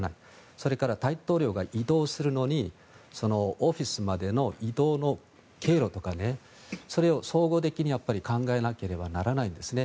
それから大統領が移動するのにオフィスまでの移動の経路とかそれを総合的に考えなければならないんですね。